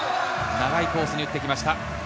長いコースに打ってきました。